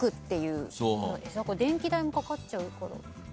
電気代もかかっちゃうから。